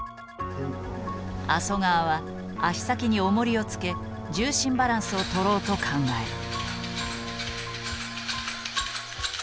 麻生川は足先におもりを付け重心バランスをとろうと考える。